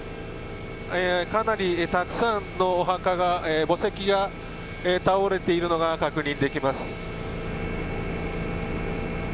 かなりたくさんのお墓が墓石が倒れているのが確認できます。